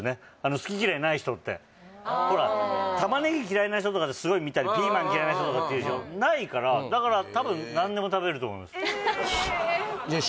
好き嫌いない人ってああタマネギ嫌いな人とかってすごい見たりピーマン嫌いな人っているでしょないからだから多分何でも食べると思います人糞？